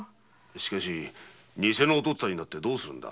しかし偽の父親になってどうするんだ？